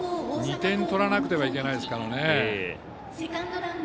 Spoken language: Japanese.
２点、取らなくてはいけないですから。